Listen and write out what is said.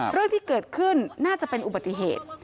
เรื่องที่เกิดขึ้นน่าจะเป็นอุบัติเหตุ